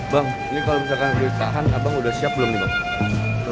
bang ini kalau misalkan kita akan abang udah siap belum nih